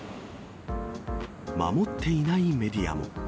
守っていないメディアも。